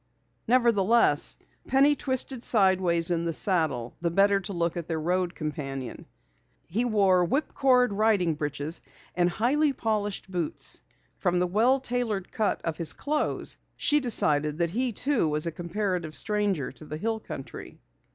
Nevertheless, Penny twisted sideways in the saddle the better to look at their road companion. He wore whipcord riding breeches and highly polished boots. From the well tailored cut of his clothes she decided that he too was a comparative stranger to the hill country.